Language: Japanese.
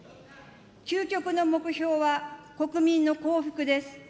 究極の目標は、国民の幸福です。